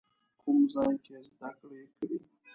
کوم ځای کې یې زده کړې کړي؟